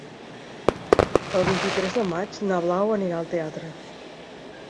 El vint-i-tres de maig na Blau anirà al teatre.